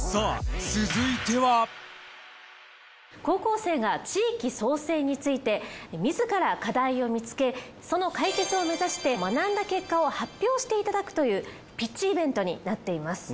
高校生が地域創生について自ら課題を見つけその解決を目指して学んだ結果を発表していただくというピッチイベントになっています。